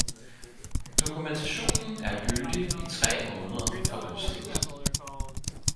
Dokumentationen er gyldig i tre måneder fra udstedelsen.